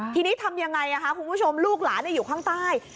ทีนี้ทำยังไงคุณผู้ชมลูกหลานอยู่ข้างใต้